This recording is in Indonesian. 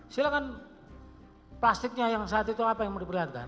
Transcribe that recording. silahkan plastiknya yang saat itu apa yang mau diperlihatkan